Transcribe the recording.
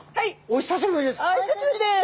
お久しぶりです。